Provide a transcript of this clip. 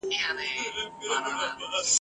هېري څرنگه د میني ورځی شپې سي ..